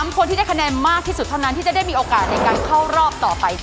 คนที่ได้คะแนนมากที่สุดเท่านั้นที่จะได้มีโอกาสในการเข้ารอบต่อไป